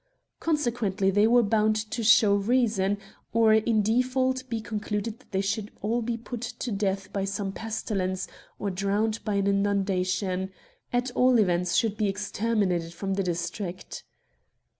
Consequently they were bound to show reason, or in default be con cluded that they should all be put to death by some pestilence, or drowned by an inundation ; at all events, should be exterminated from the district.